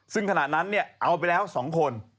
ซึ่งขณะนั้นเอาไปแล้ว๒คน